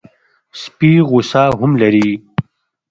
سپي غصه هم لري.